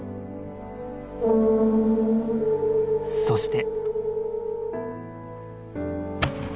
そして。